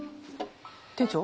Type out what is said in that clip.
店長？